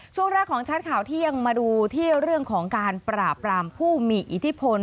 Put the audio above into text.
ช่วงแรกของชัดข่าวเที่ยงมาดูที่เรื่องของการปราบรามผู้มีอิทธิพล